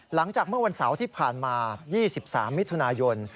หลังจากเมื่อวันเสาร์ที่ผ่านมา๒๓มิถุนายน